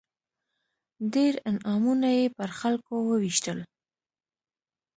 ډېر انعامونه یې پر خلکو ووېشل.